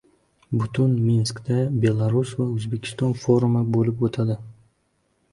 Bugun Minskda Belarus va O‘zbekiston forumi bo‘lib o‘tadi